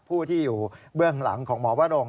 ผู้ที่อยู่เบื้องหลังของหมอวรง